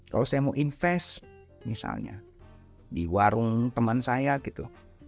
kalau saya mau invest misalnya di warung teman saya gitu